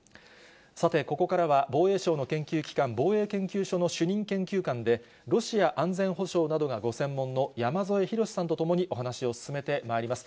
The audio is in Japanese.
さて、ここからは、防衛省の研究機関、防衛研究所の主任研究官で、ロシア安全保障などがご専門の山添博史さんと共にお話を進めてまいります。